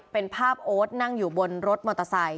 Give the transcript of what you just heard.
เป็นภาพโอ๊ตนั่งอยู่บนรถมอเตอร์ไซค